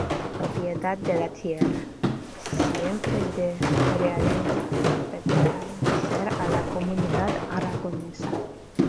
Propiedad de la tierra: Siempre de realengo, por pertenecer a la comunidad aragonesa.